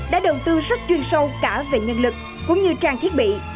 đã đầu tư rất chuyên sâu cả về nhân lực cũng như trang thiết bị